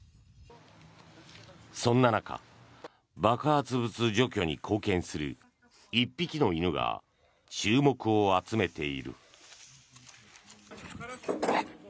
そんな中、爆発物除去に貢献する１匹の犬が注目を集めている。